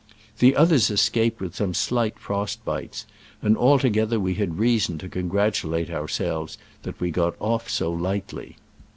The others escaped with some slight frost bites, and altogether we had reason to congratulate ourselves that we. got off so lightly.